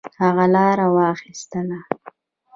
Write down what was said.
هغه لار واخیستله.